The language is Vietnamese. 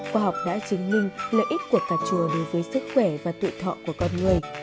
phó học đã chứng minh lợi ích của cà chua đối với sức khỏe và tụi thọ của con người